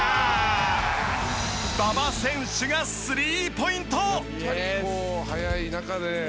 馬場選手がスリーポイント！